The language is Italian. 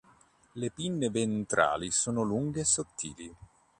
Le pinne ventrali sono lunghe e sottili.